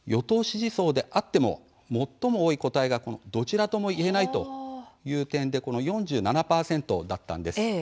さらに今回目を引くのは与党支持層であっても最も多い答えがどちらともいえないという点で４７％だったんです。